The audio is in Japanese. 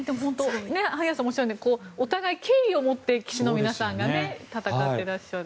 萩谷さんもおっしゃるようにお互いに敬意を持って棋士の皆さんが戦ってらっしゃる。